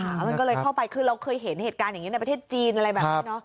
มันก็เลยเข้าไปคือเราเคยเห็นเหตุการณ์อย่างนี้ในประเทศจีนอะไรแบบนี้เนอะ